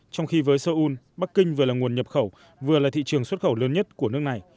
trong khi với seoul bắc kinh vừa là nguồn nhập khẩu vừa là thị trường xuất khẩu lớn nhất của nước này